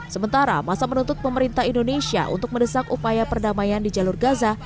sementara masa menuntut pemerintah indonesia untuk mendesak upaya perdamaian di jalur gaza